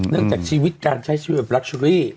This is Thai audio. เนื่องจากชีวิตการใช้ชีวิตในปลักชูรี่